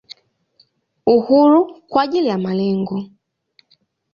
Uhuru kwa ajili ya malengo.